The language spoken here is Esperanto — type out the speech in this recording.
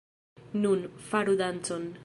Nun, faru dancon.